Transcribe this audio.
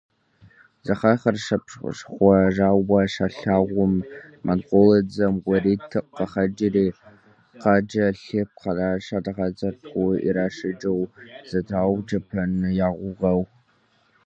Зыхьэхэр щӏэпхъуэжауэ щалъагъум, монголыдзэм уэритӏ къыхэкӏри, къакӏэлъыпхъэращ, адыгэдзэр тӏу иращӏыкӏыу зэтраукӏэпэн я гугъэу.